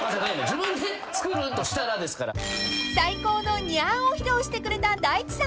［最高の「にゃー」を披露してくれた大地さん］